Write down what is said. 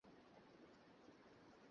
Lieutenant, এখানকার দায়িত্বে কে?